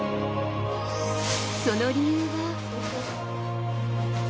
その理由が。